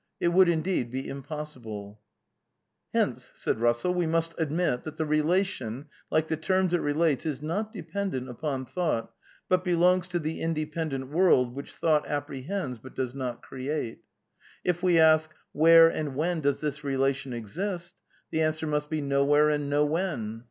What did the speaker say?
It would, indeed; be impossible.) '^ Hence we must admit that the relation, like the terms it relates, is not dependent upon thought, but belongs to the inde ndent world which thought apprehends but does not ere axe* •••••••••••If we ask, ^ Where and when does this relation exist ?' the answer must be ' Nowhere and nowhen.'